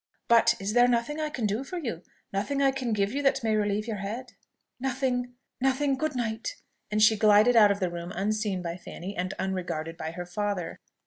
But is there nothing I can do for you nothing I can give you that may relieve your head?" "Nothing, nothing! Good night!" and she glided out of the room unseen by Fanny and unregarded by her father.